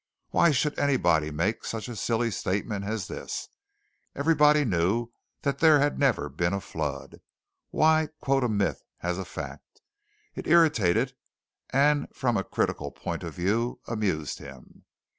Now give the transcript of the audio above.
Why should anybody make such a silly statement as this? Everybody knew that there had never been a flood. Why quote a myth as a fact? It irritated and from a critical point of view amused him.